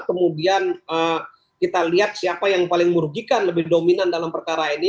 kemudian kita lihat siapa yang paling merugikan lebih dominan dalam perkara ini